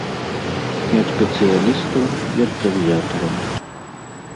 І ад спецыялістаў, і ад заўзятараў.